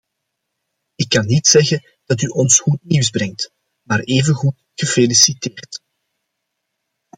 Ik kan niet zeggen dat u ons goed nieuws brengt, maar evengoed gefeliciteerd.